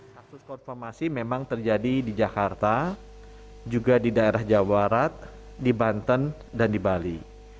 kasus konformasi memang terjadi di jakarta juga di daerah jawa barat di banten dan di bali